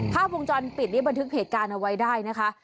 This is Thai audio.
ภาพวงจรปิดนี้บันทึกเหตุการณ์เอาไว้ได้นะคะ